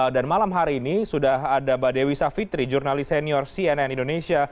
dan malam hari ini sudah ada mbak dewi savitri jurnalis senior cnn indonesia